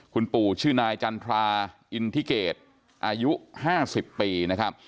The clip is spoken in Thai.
คุณปู่ชื่อนายจันทราอินทิเกตอายุ๕๐ปีนะครับ